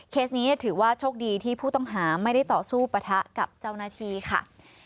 นี้ถือว่าโชคดีที่ผู้ต้องหาไม่ได้ต่อสู้ปะทะกับเจ้าหน้าที่ค่ะ